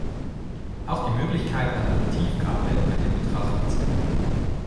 Auch die Möglichkeit einer Votivgabe wird in Betracht gezogen.